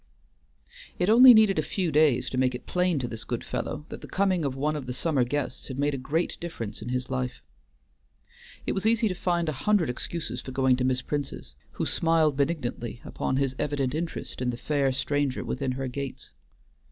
It only needed a few days to make it plain to this good fellow that the coming of one of the summer guests had made a great difference in his life. It was easy to find a hundred excuses for going to Miss Prince's, who smiled benignantly upon his evident interest in the fair stranger within her gates.